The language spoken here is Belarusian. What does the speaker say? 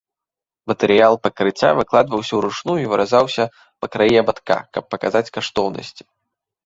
Матэрыял пакрыцця выкладваўся ўручную і выразаўся па краі абадка, каб паказаць каштоўнасці.